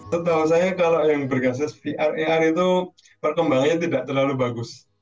setahu saya kalau yang berbasis vr itu perkembangannya tidak terlalu bagus